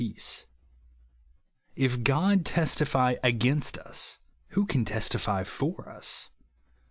S, 10, If God testify against as, who can testify for us